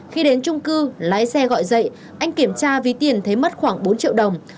khi đến trung cư lái xe gọi dậy anh kiểm tra vì tiền thấy mất khoảng bốn triệu đồng